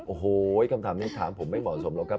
โอ้โหคำถามนี้ถามผมไม่เหมาะสมหรอกครับ